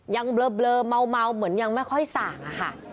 เบลอเมาเหมือนยังไม่ค่อยส่างอะค่ะ